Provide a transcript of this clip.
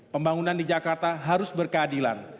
pembangunan di jakarta harus berkeadilan